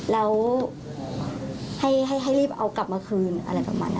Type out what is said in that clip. แล้วให้รีบเอากลับมาคืนอะไรประมาณนี้